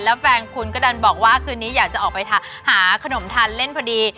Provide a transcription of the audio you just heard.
แล้วแฟนคุณก็ดันบอกว่าคืนนี้อยากจะออกไปหาขนมทานเล่นพอดี